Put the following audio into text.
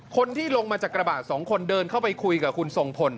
คนที่ลงมาจากกระบะสองคนเดินเข้าไปคุยกับคุณทรงพล